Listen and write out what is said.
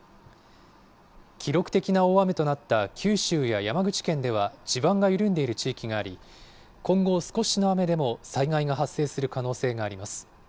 記録的な大雨となった九州や山口県では地盤が緩んでいる地域があり、今後少しの雨でも、災害が発生する可能性があります。